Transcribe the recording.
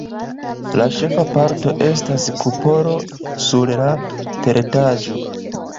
La ĉefa parto estas kupolo sur la teretaĝo.